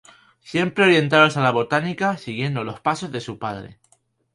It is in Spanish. Siempre orientados a la botánica, siguiendo los pasos de su padre.